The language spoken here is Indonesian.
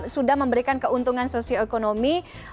sudah memberikan keuntungan sosioekonomi